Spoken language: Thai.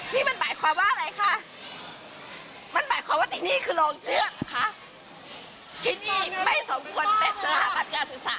นี่มันหมายความว่าอะไรค่ะมันหมายความว่าที่นี่คือโรงเชื้อหรอคะ